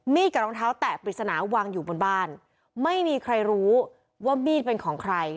กับรองเท้าแตะปริศนาวางอยู่บนบ้านไม่มีใครรู้ว่ามีดเป็นของใคร